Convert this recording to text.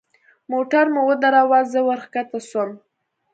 موټر مو ودراوه زه ورکښته سوم.